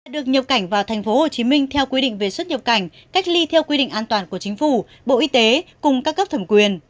được nhập cảnh vào tp hcm theo quy định về xuất nhập cảnh cách ly theo quy định an toàn của chính phủ bộ y tế cùng các cấp thẩm quyền